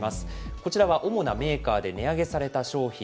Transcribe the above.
こちらは主なメーカーで値上げされた商品。